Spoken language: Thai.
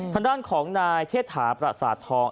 ทางด้านของนายเชษฐาประสาททอง